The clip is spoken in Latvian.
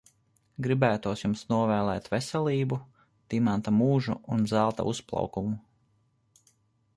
Gribētos jums novēlēt veselību, dimanta mūžu un zelta uzplaukumu.